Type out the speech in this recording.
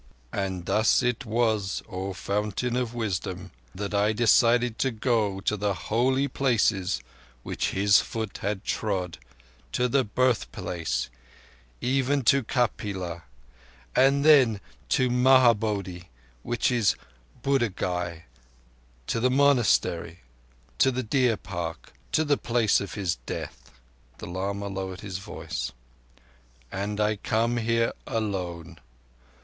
"And thus it was, O Fountain of Wisdom, that I decided to go to the Holy Places which His foot had trod—to the Birthplace, even to Kapila; then to Mahabodhi, which is Buddh Gaya—to the Monastery—to the Deer park—to the place of His death." The lama lowered his voice. "And I come here alone.